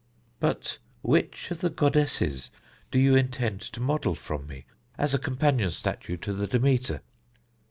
But which of the goddesses do you intend to model from me as a companion statue to the Demeter?"